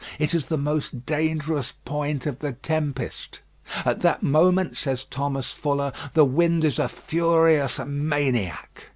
It is the most dangerous point of the tempest. "At that moment," says Thomas Fuller, "the wind is a furious maniac."